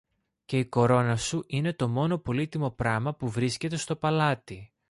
και η κορώνα σου είναι το μόνο πολύτιμο πράμα που βρίσκεται στο παλάτι.